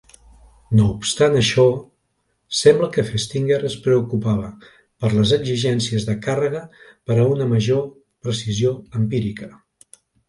No obstant això, sembla que Festinger es preocupava per les exigències de càrrega per a una major precisió empírica.